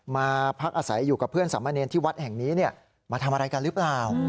มาพักอาศัยอยู่กับเพื่อนสามเณรที่วัดแห่งนี้มาทำอะไรกันหรือเปล่า